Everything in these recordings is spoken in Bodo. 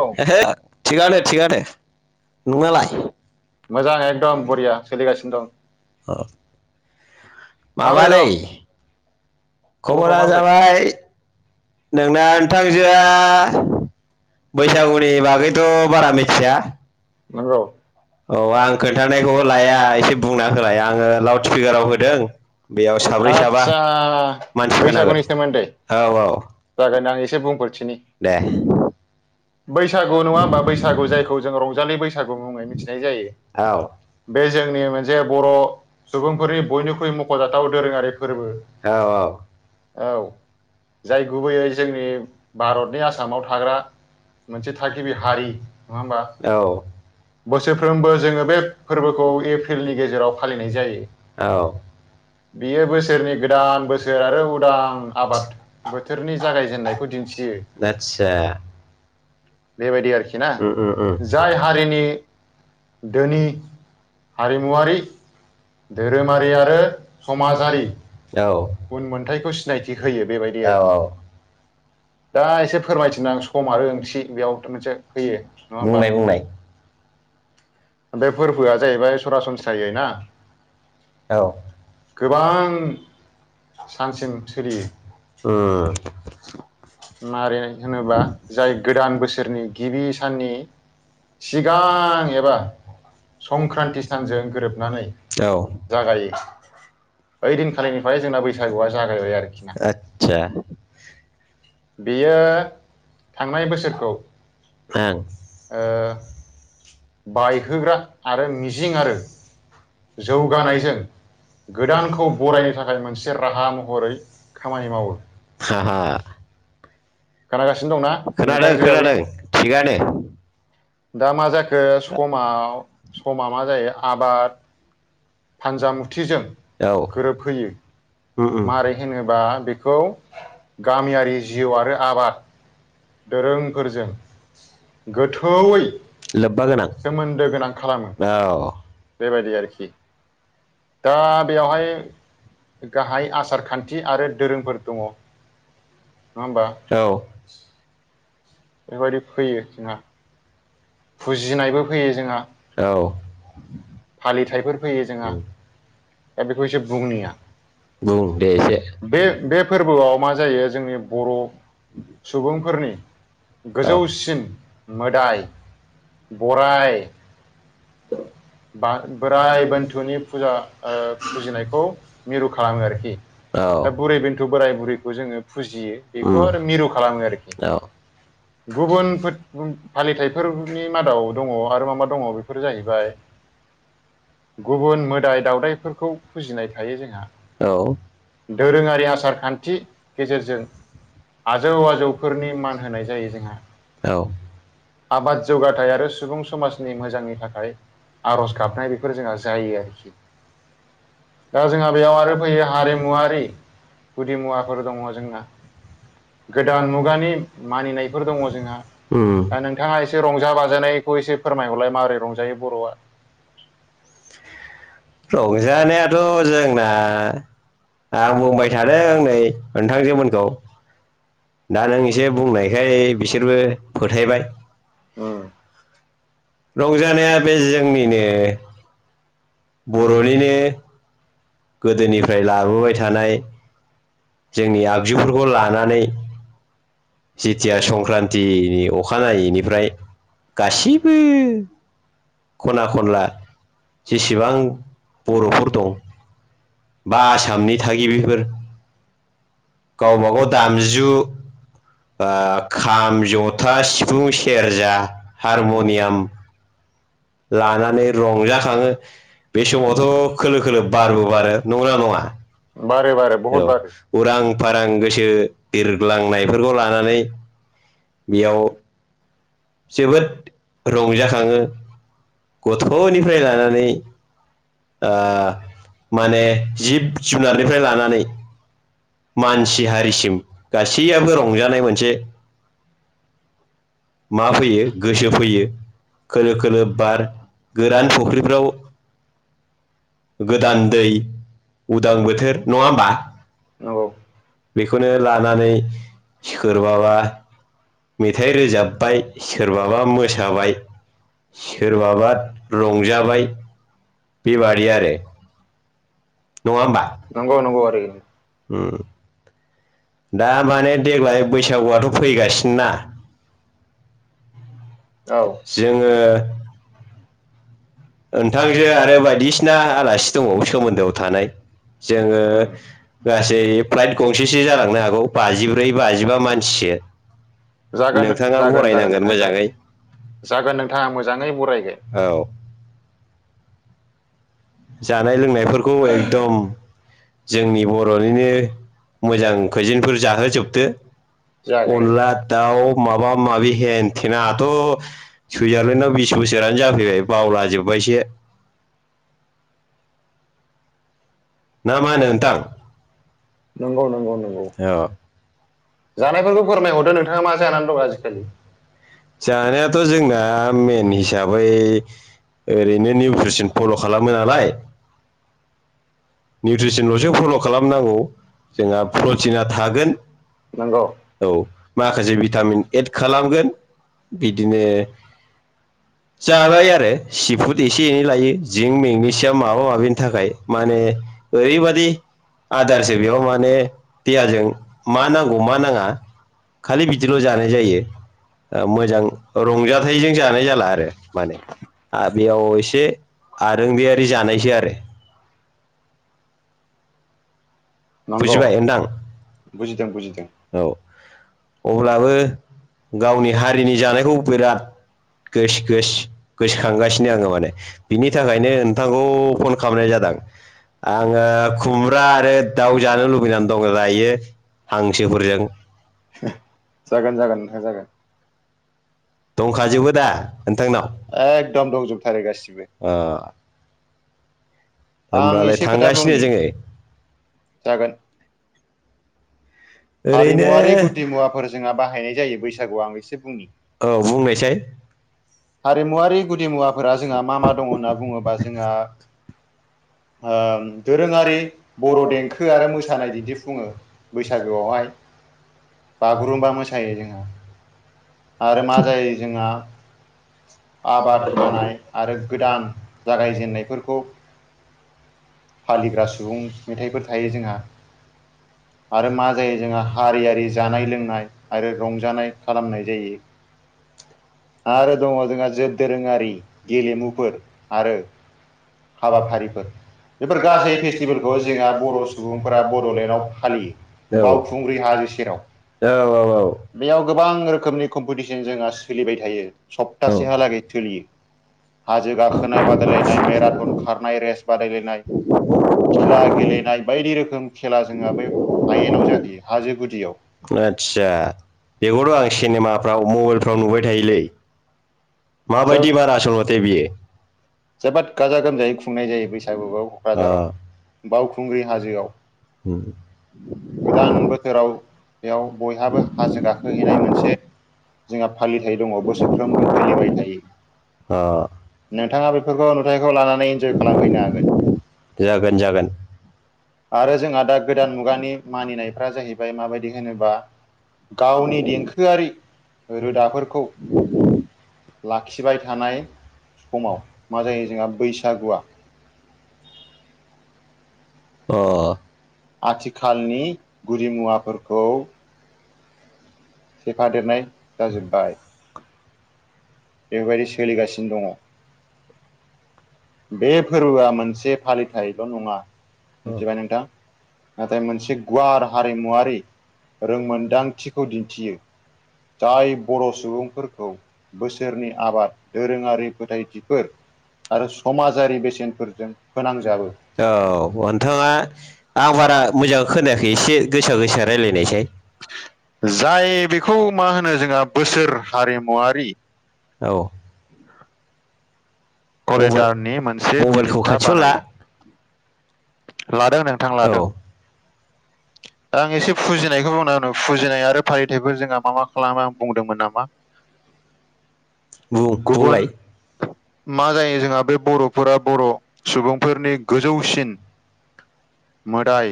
औ थिगानो थिगानो। नोंनालाय? मोजां एकदम बरिया सोलिगासिनो दं अह। माबोरै माबालै। दं खबरफ्रा खबरा माबोरै जाबाय नोंना नोंथांजोआ बैसागुनि बागैथ' बारा मिथिया नंगौ। औ आं खोन्थानायखौबो खोन्थानायखौ लाया एसे इसे बुंना होलाय है आङो आरो लाउड स्पिकाराव स्पिकारआव होदों बेयाव होदों। साब्रै साबा आदसा मानसि खोनागोन बैसागुनि सोमोन्दै? औ औ जागोन आं एसे बुं दे। बैसागु नङा होमबा बैसागु जायखौ जों रंजालि बैसागु मुङै मिथिनाय औ जायो। बे जोंनि मोनसे बर' सुबुंफोरनि बयनिख्रुइ मख'जाथाव दोरोङारि फोरबो औ औ जाय गुबैयै जोंनि भारतनि आसामाव थाग्रा मोनसे थागिबि औ। हारि नङा होमबा औ। बेयो बोसोरफ्रोमबो जोङो बे बोसोरनि फोरबोखौ एप्रिलनि गेजेराव गोदान फालिनाय जायो बोसोर बेयो आरो बोसोरनि गोदान उदां बोसोर आरो उदां आबाद आबाद बोथोरनि जागायजेननायखौ दिन्थियो जागायजेननायजों आतसा। बेबायदि आरोखि ना उम उम उम। जाय हारिनि जोंनि धोनि हारिमुवारि धोरोमारि आरो औ। समाजारि उनमोनथायखौ औ सिनायथि होयो बेबायदि आरो। औ। दा एसे फोरमायथिनो आं सम आरो ओंथि बेयावथ' मोनसे फैयो, नङा बुंनाय होमबा? बुंनाय बे फोरबोआ जाहैबाय सरासनस्रायै ना? औ गोबां सानसिम सोलियो अम। मारै होनोबा जाय गोदान बोसोरनि गिबि साननि सिगां एबा संक्रान्ति सानजों गोरोबनानै औ। जागायो ओइ दिनखालिनिफ्राय जोंना बैसागुआ जागायबाय आरोखि ना आदचा। बेयो थांनाय बोसोरखौ ओं। ओ बायखोग्रा आरो मिजिं आरो जौगानायजों गोदानखौ बरायनो थाखाय मोनसे राहा महरै खामानि मावो। हा हा। खोनागासिनो दंना नोंथांजोआबो? खोनादों थिगानो दा मा जाखो समाव, समा मा जायो आबाद फानजामुथिजों गोरोबहोयो औ। मारै होनोबा बेखौ उम गामियारि जिउ आरो आबाद उम। दोरोंफोरजों गोथौयै लोब्बा गोनां सोमोन्दो गोनां खालामो, गोनां औ बेबायदि आरोखि। दा बेयावहाय गाहाय आसार-खान्थि आरो दोरोंफोर दङ नङा होनबा औ बेफोरबायदि फैयो जोंहा फुजिनायबो फैयो जोंहा औ फालिथायफोर फैयो जोंहा उम दा बेखौ एसे बुंनिया बुं दे एसे बे - बे फोरबोआव मा जायो जोंनि बर' सुबुंफोर रनि औ गोजौसिन मोदाय बराय [unintelligible] [unintelligible] औ- बा बोराइ बोन्थुनि फुजा ओ फुजिनायखौ मिरु खालामो आरोखि दा बुरै बेन्थु बोराय बुरैखौ जोङो फुजियो बेखौ आरो मिरु खालामो आरोखि औ गुबुन फालिथायाइफोरनि मादाव दङ आरो मा मा दङ बेफोर जाहैबाय मोदाय गुबुन दावदायफोरखौ फुजिनाय थायो जोंहा औ दोरोङारि आसार- खान्थि गेजेरजों आजौ - आजौफोरनि मान होनाय जायो हा औ आबाद जौगाथाय आरो सुबुं समाजनि मोजांनि थाखाय आर'ज गाबनाय बेफोर जोंहा जायो आरोखि दा जोंहा बेयाव आरो फैयो हारिमुवारि गुदि मुवाफोर दङ जोंना गोद गोदान मुगानि दा मानिनायफोर दङ जोंहा नोंथाङा एसे रंजा बाजानायखौ एसे फोरमायबाय माबोरै रंजायो बुंबाय रंजानायाथ' जोंना आं बुंबाय थादों नै नोंथां जोमोनखौ दा बिसोर मे बिसोरबो बिसोर फोथायबाय फथायबाय रंजानाया बे जोंनिनो बर'निनो गोदोनिफ्राय लाबोबाय थानाय जोंनि आगजुफोरखौ लानानै जिथिया जेथिया सम संक्रान्तिनि अखा जायो अखानायैनिफ्राय गासिबो खना - खनला बेसेबां जेसेबां बर'फोर दं बा आसामनि थागिबिफोर गावबा गाव दामजु खाम, जथा, सिफुं, सेरजा, हारमु'नियाम हारम'नियाम लानानै रंजाखङो बे समावथ' खोलो - खोलो बारबो बारो नङ ना नङा बारो बारो औ बहुत बारो। उरां आं फारां गोसो बिरग्लांनायफोरखौ लानानै बेयाव जोबोद रंजाखाङो गथ'नि ओ गथ'निफ्राय लानानै माने जिब - जुनारनिफ्राय लानानै मानसि हारिसिम गासैयाबबो गासैयाबो रं रंजानाय मोनसे मा फैयो गोसो फैयो फैयो खोलो - खोलो बा बार गोरान फुख्रिफ्राव गोदान दै उदां बोथोर नङा होमबा नंगौ। बेखौनो लानानै सोरबाबा मेथाइ रोजाबबाय सोरबाबा मोसाबाय सोरबाबा रंजाबाय बेबादि आरो नङा होमबा नांगौ नगौ आरो [inaudible] दा माने देग्लाय बैसागुआथ' फैगासिनोना औ जोङो नोंथांजो आरो बायदिसिना आलासि दङ सोमोन्दोआव थानाय जोङो ओ गासै फ्लाइट गंसेसो जालांनो हागौ बाजिब्रै, बाजिबा मानसि [inaudible] जागोन जागोन जागोन नोंथां जागोन जागोन नोंथाङा मोजाङै बराय औ जानाय लोंनायफोरखौ एकदम जोंनि बर'निनो मोजां कइजनफोर जाहोसै जाहोजोबदो। अनला दाउ माबा माबि माबि नाथ' हेनथेनााथ' गैयाबोलां सुइजारलेण्डआव बिस बोसोरानो जाबाय जाफैबाय बावलाजोब बावलाजोबबायसो। ना माहोनो नोंथां। नंगौ नंगौ। नंगौ औ जानायफोरखौ फोरमायहरदो नोंथांङा मा जानानै दं आजिखालि? जानायाथ' जोंना मेन हिसाबै ओरैनो निउट्रिसन फल' खालामो नालाय। बे निउट्रिसन ल'जों फल' खालामनांगौ जोंहा प्रटिना थागोन। नंगौ औ माखासे भिटामिन एड खालामगोन। बिदिनो जाबाय आरो सि फुट एसे एनै लायो जिंक मेगनेसियाम माबा माबिनि थाखाय माने [inaudible] ओरैबादी आदारसो बेयाव माने देहाजों मा नांगौ मा नाङा खालि बिदिल' जानाय जायो रंजाथाइजों ओ मोजां रंजाथाइजों जानाय जाला आरो। माने आ बेयाव एसे आरो आरोंगियारि जानायसै आरो। नंगौ बुजिबाय नोंथां बुजिदों बुजि । औ अब्लाबो गावनि हारिनि जानायखौ बिराद गोस गोस गोसोखांगासिनो आङो माने बिनि थाखायनो नोंथांखौ फन खालामनाय जादों। आङो खुमब्रा आरो दाउ जानो लुबैनानै दं दायो हां जागोन जागोन नोंथां जागोन। [inaudible] दंखाजोबो दा नोंथांनाव एकदम दंजोबथारो गासिबो अ। आं होमब्लालाय एसे खोथा थांगासिनो बुंनि जोङो जागोन। ओरैनो हारिमुवारि गुदि मुवाफोर जोंहा बाहायनाय जायो बैसागुआव आं एसे बुंनि। औ बुंनायसाय। हारिमुवारि गुदि मुवाफोरा जोंहा मा मा दङ होनना बुङोबा जोंहा ओ दोरोङारि बर' देंखो आरो मोसानाय दिन्थिफुङो बैसागु आवहाय बागुरुम्बा मोसायो जोंहा। आरो मा जायो जोंहा आबाद हानाय आरो गोदान जागायजेननायफोरखौ फालिग्रा सुबुं मेथाइफोर थायो जोंहा आरो मा जायो जोंहा हारियारि जानाय लोंनाय आरो रंजानाय खालामनाय जायो। आरो दङ जोंहा दोरोङारि गेलेमुफोर आरो हाबाफारिफोर। बेफोर गासै फेस्टिभेलखौ जोंहा बर' सुबुंफोरा बड'लेण्डआव फालियो। बावखुंग्रि हाजो सेराव औ औ बेयाव गोबां रोखोमनि कम्पिटिसन जोंहा सोलि बाय थायो औ सप्तासेहालागै सोलियो। हाजो गाखोनाय बादायलायनाय मेराथन खारनाय रेस बादायलायनाय गिला गे लेनाय बायदि रोखोम खेला जोंहा बै हायेनाव जाहैयो हाजो गुदियाव। आदसा बेखौथ' आं सिनेमाफ्राव मबाइलफ्राव नुबाय थायोलै। मा माबायदि बायदिब्ला बारा आसलथे आसलमथे बियो बेयो? जोबोद गाजा गोमजायै खुंनाय जायो बैसागुआव अ क'क्राझाराव। बावखुंग्रि हाजोआव। उम। गोदान बोसोराव इयाव बयहाबो हाजो गाखोहैनाय मोनसे जोंहा फालिथाय दङ' बोसोरफ्रोमबो सोलिबाय थायो। अ नोंथाङा बेफोरखौ नुथाइखौ लानानै इनजय खालामफैनो हागोन। जागोन जागोन। आरो जोंहा दा गोदान मुगानि मानिनायफ्रा जाहैबाय माबायदि होनोबा गावनि देंखोआरि रोदाफोरखौ लाखिबाय थानाय समाव मा जायो जोंहा बैसागुआ आथिखालनि गुदि मुवाफोरखौ सेफादेरनाय जाजोबबाय। बेबायदि सोलिगासिनो दङ'। बे फोरबोआ मोनसे फालिथायल' नङा अ मिथिबाय नोंथां। जाय मोनसे गुवार हारिमुवारि रोंमोनदांथिखौ दिन्थियो। [unintelligible] औ जाय बर' सुबुंफोरखौ बोसोरनि आबाद दोरोङारि फोथायथिफोर आरो समाजारि बेसेनफोरजों फोनांजाबो नोंथाङा आं बारा आ मोजां खोनायाखै एसे गोसा गोसा रायलायनायसाय। जाय बेखौ मा होनो जोंहा बोसोर हारिमुवारि औ। मबाइल करिडारनि मोनसे मबाइलखौ बिदिन्था खाथियाव ला बानायो। लादों नोंथां लादों। औ [inaudible] दा आं एसे फुजिनायखौ बुंना होनो फुजिनाय आरो फालिथायफोर जोंहा मा मा खालामो आं बुंदोंमोन नामा [unintelligible] बुं बुंलाय। गुबुन मा जायो जोंहा बे बर'फोरा बर' सुबुंफोरनि गोजौसिन मोदाय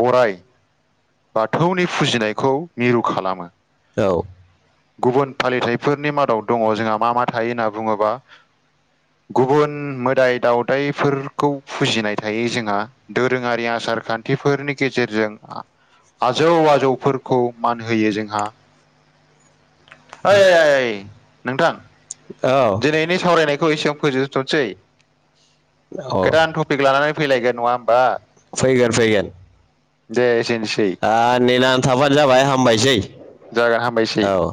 बराय बाथौनि फुजिनायखौ मिरु खालामो। औ। गुबुन फालिथायफोरनि मादाव दङ' जोंहा मा मा थायो होनना बुङोबा गुबुन मोदाय दाव दायफोर खौ फुजिनाय थायो जोंहा दोरोङारि आसार खान्थिफोरनि गेजेरजों आजौ आजौफोरखौ मान होयो जोंहा। ओइ नोंथां औ। दिनैनि सावरायनायखौ एसेयावनो फोजोबथ'नोसै औ गोदान टपिक लानानै फैलायगोन नङा होमबा फैगोन फैगोन। दे एसेनोसै आ नेनानै थाबानो जाबाय हामबायसै जागोन हामबायसै औ।